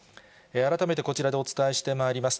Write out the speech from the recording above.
改めてこちらでお伝えしてまいります。